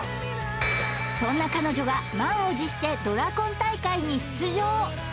そんな彼女が満を持してドラコン大会に出場